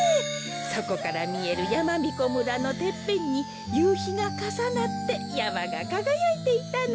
そこからみえるやまびこ村のてっぺんにゆうひがかさなってやまがかがやいていたの。